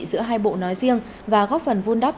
giữa hai bộ nói riêng và góp phần vun đắp